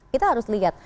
kita harus lihat